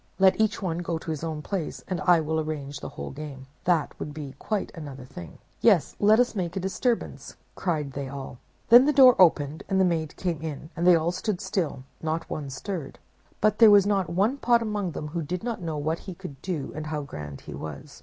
Let each one go to his own place, and I will arrange the whole game. That would be quite another thing.' 'Yes, let us make a disturbance, cried they all. Then the door opened, and the maid came in, and they all stood still; not one stirred. But there was not one pot among them who did not know what he could do and how grand he was.